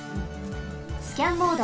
スキャンモード。